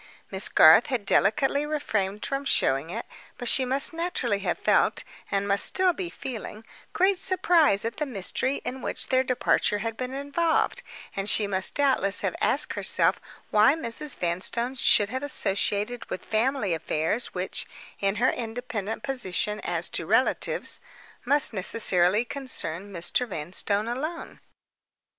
Miss Garth had delicately refrained from showing it, but she must naturally have felt, and must still be feeling, great surprise at the mystery in which their departure had been involved; and she must doubtless have asked herself why Mrs. Vanstone should have been associated with family affairs which (in her independent position as to relatives) must necessarily concern Mr. Vanstone alone.